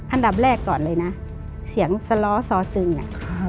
อันดับแรกก่อนเลยนะเสียงสล้อซอซึงอ่ะครับ